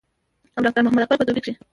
او ډاکټر محمد اکبر پۀ دوبۍ کښې